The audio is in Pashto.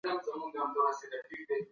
حکومتونه بايد د خلګو د نيوکو زغم ولري.